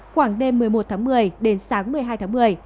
khoảng đêm một mươi một tháng một mươi đến sáng một mươi hai tháng một mươi